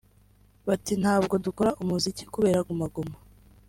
Bati “Ntabwo dukora umuziki kubera ‘Guma Guma’